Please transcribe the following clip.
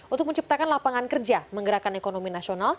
untuk menciptakan lapangan kerja menggerakkan ekonomi nasional